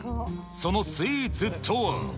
そのスイーツとは。